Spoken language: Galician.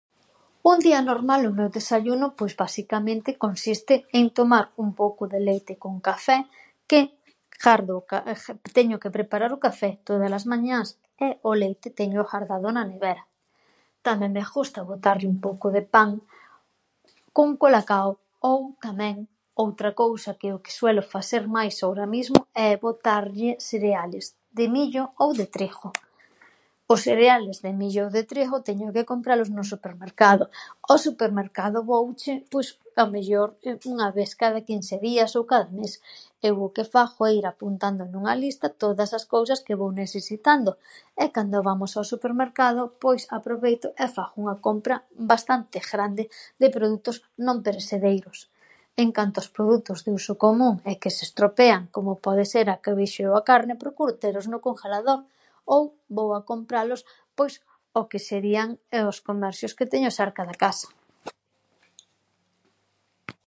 Un día normal o meu desayuno, pois, basicamente, consiste en tomar un pouco de leite con café que ghardo ca- teño que preparar o café tódalas mañás e o leite téñoo ghardado na nevera. Tamén me ghusta botarlle un pouco de pan con cola cao ou tamén outra cousa que é o que suelo faser máis ahora mismo é botarlle sereales de millo ou de trigho. Os sereales de millo ou de trigho teño que compralos no supermercado. Ó supermercado vouche pois ao mellor unha ves cada quinse días ou cada mes. Eu o que fagho é ir apuntando nunha lista todas as cousas que vou nesesitando e cando vamos ao supermercado pois aproveito e fagho unha compra bastante ghrande de produtos non presedeiros. En canto aos produtos de uso común e que se estropean, como pode ser, ahora que vexo, a carne, procuro telos no congelador ou vou a compralos pois ó que serían os comersios que teño serca da casa.